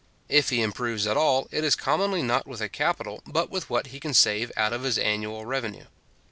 If he improves at all, it is commonly not with a capital, but with what he can save out or his annual revenue.